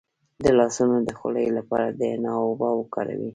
د لاسونو د خولې لپاره د حنا اوبه وکاروئ